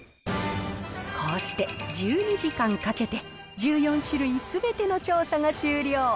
こうして１２時間かけて、１４種類すべての調査が終了。